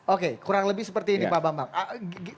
oke kurang lebih seperti ini pak bambang